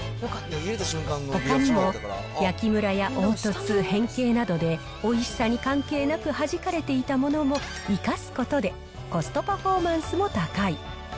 ほかにも焼きむらや凹凸、変形などで、おいしさに関係なくはじかれていたものも生かすことで、コストパフォーマンスも高い。